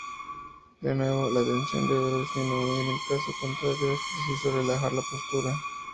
De nuevo, la tensión deberá disminuir, en caso contrario es preciso relajar la postura.